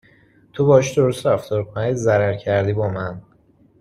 تو باهاش درست رفتار کن اگه ضرر کردی با من